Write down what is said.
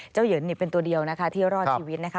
เหยินเป็นตัวเดียวนะคะที่รอดชีวิตนะคะ